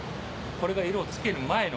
これが色をつける前の。